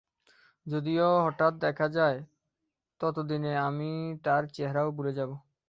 যদিও হঠাৎ দেখা হয়ে যায়, ততদিনে আমি তার চেহারাও ভুলে যাব।